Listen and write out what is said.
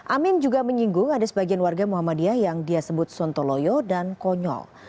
amin juga menyinggung ada sebagian warga muhammadiyah yang dia sebut sontoloyo dan konyol